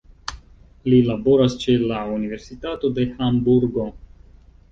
Li laboras ĉe la Universitato de Hamburgo.